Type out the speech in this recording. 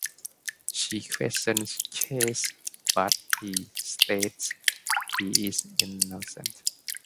She questions Chase but he states he is innocent.